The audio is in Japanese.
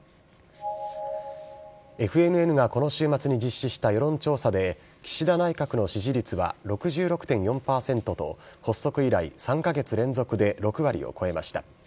ＦＮＮがこの週末に実施した世論調査で、岸田内閣の支持率は６６．４％と、発足以来、３か月連続で６割を超えました。